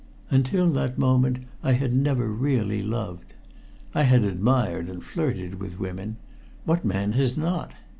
Until that moment I had never really loved. I had admired and flirted with women. What man has not?